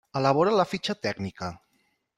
Elabora la fitxa tècnica.